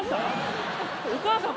お母さん！？